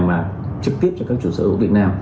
mà trực tiếp cho các chủ sở hữu việt nam